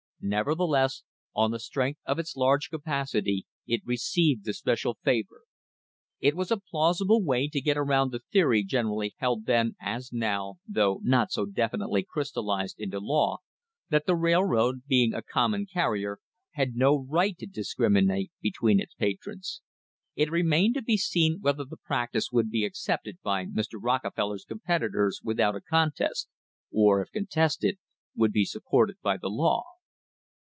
Nevertheless on the strength of its large capacity it re ceived the special favour. It was a plausible way to get around the theory generally held then, as now, though not so definitely crystallised into law, that the railroad being a common car rier had no right to discriminate between its patrons. It remained to be seen whether the practice would be accepted by Mr. Rockefeller's competitors without a contest, or, if contested, would be supported by the law.